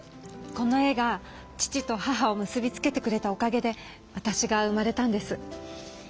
この絵が父と母を結び付けてくれたおかげでわたしが生まれたんです。